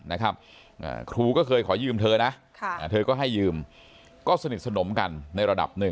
นะครับครูก็เคยขอยืมเธอนะเธอก็ให้ยืมก็สนิทสนมกันในระดับหนึ่ง